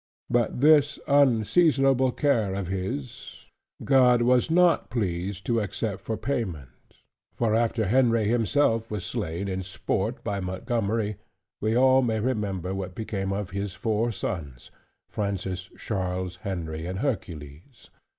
But this unseasonable care of his, God was not pleased to accept for payment. For after Henry himself was slain in sport by Montgomery, we all may remember what became of his four sons, Francis, Charles, Henry, and Hercules.